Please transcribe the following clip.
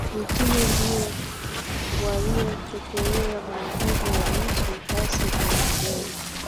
Mitume ndio waliotekeleza maagizo ya Yesu Basi enendeni